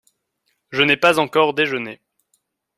Je n’ai pas encore déjeuné.